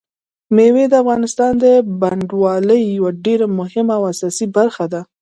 مېوې د افغانستان د بڼوالۍ یوه ډېره مهمه او اساسي برخه ده.